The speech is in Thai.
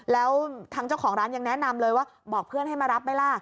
แล้วทางเจ้าของร้านยังแนะนำเลยว่าบอกเพื่อนให้มารับไหมล่ะ